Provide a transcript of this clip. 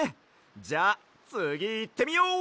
じゃあつぎいってみよう！